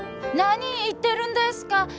何言ってるんですか！